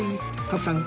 徳さん